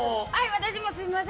私もすみません。